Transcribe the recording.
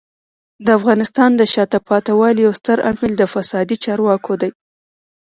د افغانستان د شاته پاتې والي یو ستر عامل د فسادي چارواکو دی.